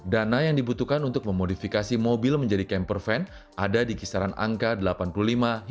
dana yang dibutuhkan untuk memodifikasi mobil menjadi campervan ada di kisaran angka delapan puluh lima hingga enam ratus juta rupiah